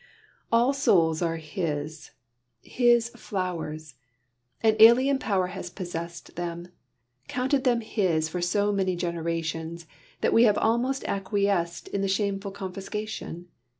All souls are His, all flowers. An alien power has possessed them, counted them his for so many generations, that we have almost acquiesced in the shameful confiscation.